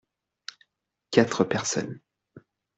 Quatre personnes.